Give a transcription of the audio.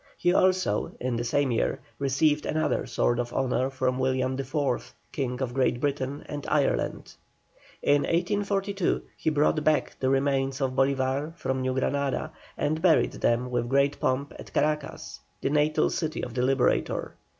He also in the same year received another sword of honour from William IV., King of Great Britain and Ireland. In 1842 he brought back the remains of Bolívar from New Granada, and buried them with great pomp at Caracas, the natal city of the Liberator.